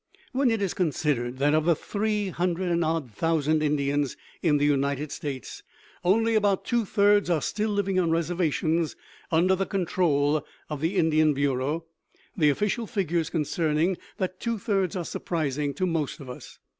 When it is considered that of the three hundred and odd thousand Indians in the United States, only about two thirds are still living on reservations under the control of the Indian Bureau, the official figures concerning that two thirds are surprising to most of us.